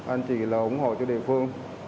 anh chị là ủng hộ cho địa phương